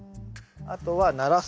あとはならす。